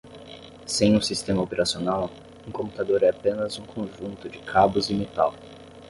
Sem um sistema operacional, um computador é apenas um conjunto de cabos e metal.